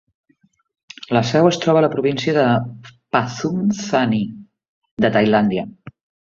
La seu es troba a la província de Pathum Thani, Tailàndia.